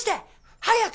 早く！